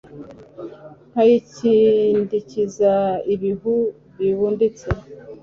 nkayikindikiza ibihu bibuditse